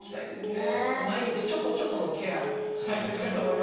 毎日ちょこちょこのケアが大切かと思います。